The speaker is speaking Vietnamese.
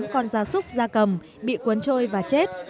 một mươi ba bảy trăm sáu mươi tám con da súc da cầm bị cuốn trôi và chết